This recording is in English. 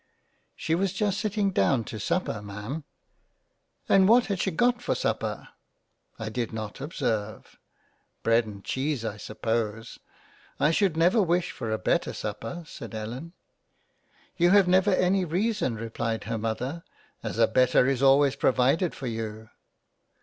" She was just sitting down to supper Ma'am." " And what had she got for supper ?"" I did not ob serve." " Bread and Cheese I suppose." " I should never wish for a better supper." said Ellen. " You have never any reason replied her Mother, as a better is always provided for you."